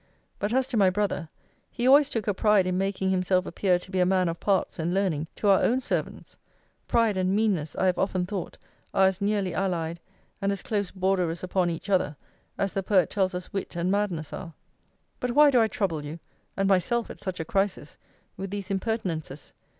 But as to my brother, he always took a pride in making himself appear to be a man of parts and learning to our own servants. Pride and meanness, I have often thought, are as nearly allied, and as close borderers upon each other, as the poet tells us wit and madness are. But why do I trouble you (and myself, at such a crisis) with these impertinences?